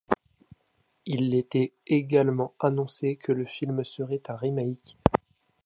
Il était également annoncé que le film serait un remake.